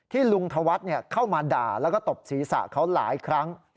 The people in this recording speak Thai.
ลุงธวัฒน์เข้ามาด่าแล้วก็ตบศีรษะเขาหลายครั้ง